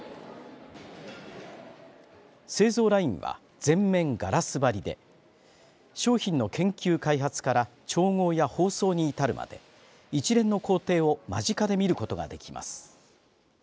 製造ラインは全面ガラス張りで商品の研究、開発から調合や包装に至るまで一連の工程を間近で見ることができます。